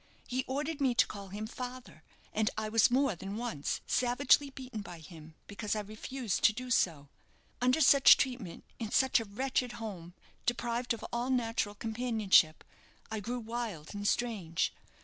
He ordered me to call him father, and I was more than once savagely beaten by him because I refused to do so. Under such treatment, in such a wretched home, deprived of all natural companionship, I grew wild and strange.